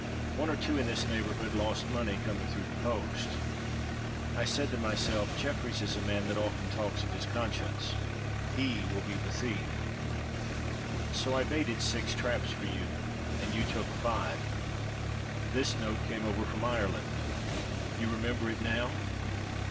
"One or two in this neighborhood lost money coming through the post. I said to myself, 'Jefferies is a man that often talks of his conscience he will be the thief' so I baited six traps for you, and you took five. This note came over from Ireland; you remember it now?"